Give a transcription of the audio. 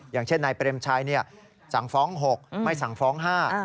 อย่างเช่นนายเปรมชัยสั่งฟ้อง๖ไม่สั่งฟ้อง๕